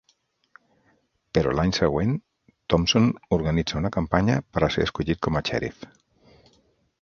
Però l'any següent, Thompson organitza una campanya per a ser escollit com a xèrif.